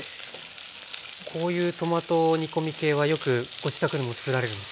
こういうトマト煮込み系はよくご自宅でもつくられるんですか？